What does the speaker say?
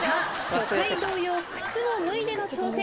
初回同様靴を脱いでの挑戦。